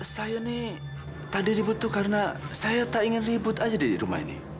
saya nih tadi ribut tuh karena saya tak ingin ribut aja di rumah ini